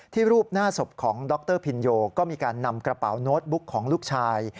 รูปหน้าศพของดรพินโยก็มีการนำกระเป๋าโน้ตบุ๊กของลูกชาย